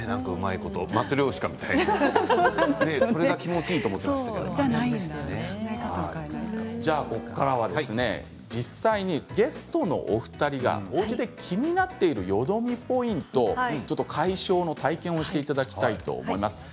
ここからは実際にゲストのお二人がおうちで気になっているよどみポイントの解消を体験していただきましょう。